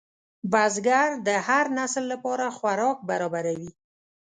بزګر د هر نسل لپاره خوراک برابروي